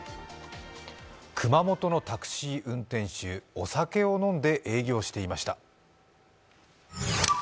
熊本のタクシー運転手、お酒を飲んで営業していました。